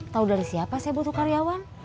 tahu dari siapa saya butuh karyawan